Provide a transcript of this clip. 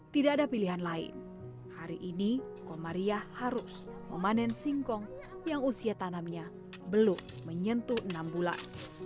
tidak ada pilihan lain hari ini komariah harus memanen singkong yang usia tanamnya belum menyentuh enam bulan